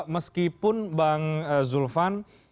meskipun bang zulfan